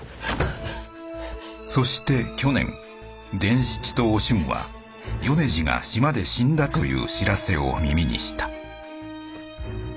そして去年伝七とお俊は米次が島で死んだという知らせを耳にした。